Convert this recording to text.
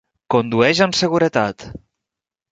Condueix amb seguretat!